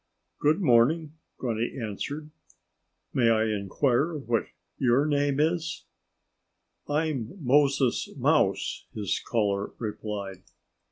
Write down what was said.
"Good morning!" Grunty answered. "May I inquire what your name is?" "I'm Moses Mouse," his caller replied.